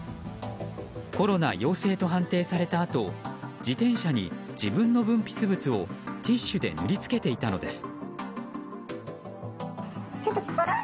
コロナ陽性と判定されたあと自転車に自分の分泌物をティッシュで塗り付けていたのです。